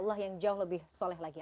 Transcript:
allah yang jauh lebih soleh lagi